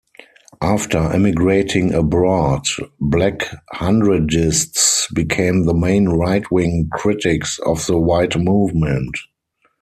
After emigrating abroad, black-hundredists became the main right-wing critics of the White movement.